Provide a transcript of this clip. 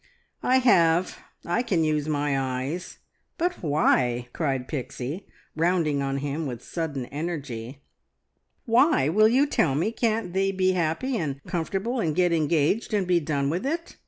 "I have. I can use my eyes. But why?" cried Pixie, rounding on him with sudden energy, "why, will you tell me, can't they be happy and comfortable and get engaged and be done with it?